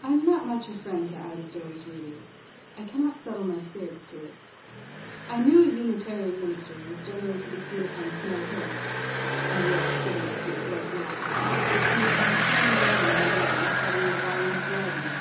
I am not much a friend to out of doors reading. I cannot settle my spirits to it. I knew a Unitarian minister, who was generally to be seen upon Snow hill (as yet Skinner's street was not), between the hours of ten and eleven in the morning, studying a volume of Lardner.